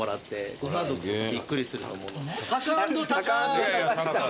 ご家族もびっくりすると思うので。